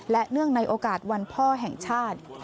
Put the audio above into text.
และเนื่องในโอกาสวันพ่อแห่งชาติ